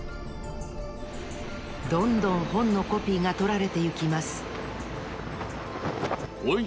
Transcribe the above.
どんどんほんのコピーがとられていきますほい。